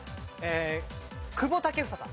久保建英さん。